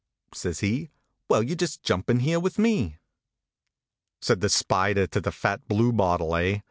says he. "Well, you just jump in here with me." " Said the spider to the fat blue bottle, eh?